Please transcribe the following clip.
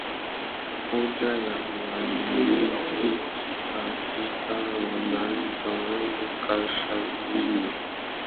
moja ya Uigiriki katika Anatolia ya Kaskazini